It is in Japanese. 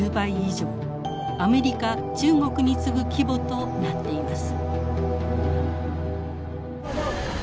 アメリカ中国に次ぐ規模となっています。